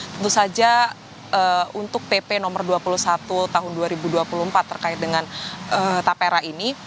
tentu saja untuk pp nomor dua puluh satu tahun dua ribu dua puluh empat terkait dengan tapera ini